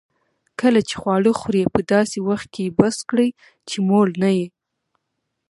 کله چي خواړه خورې؛ په داسي وخت کښې بس کړئ، چي موړ نه يې.